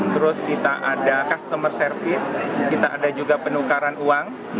terus kita ada customer service kita ada juga penukaran uang